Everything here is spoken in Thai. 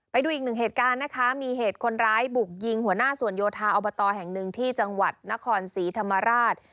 ไปดูอีกหนึ่งเหตุการณ์นะคะมีเหตุคนร้ายบุกยิงหัวหน้าส่วนโยธาอบตแห่งหนึ่งที่จังหวัดนครศรีธรรมราช